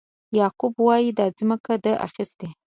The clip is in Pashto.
یعقوب وایي دا ځمکه ده اخیستې.